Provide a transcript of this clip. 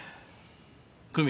久美。